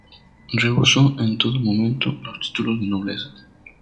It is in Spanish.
Rehusó en todo momento los títulos de nobleza.